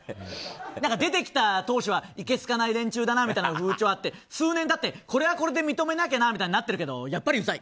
何か、出てきた時はいけすかない連中だなみたいな風潮あって数年経って、これはこれで認めなきゃなみたいなってなってるけどやっぱりうざい。